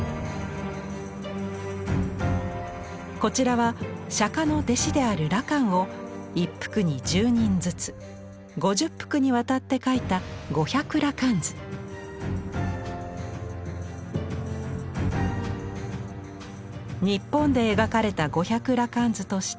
こちらは釈迦の弟子である羅漢を一幅に１０人づつ５０幅にわたって描いた日本で描かれた「五百羅漢図」としては最古級！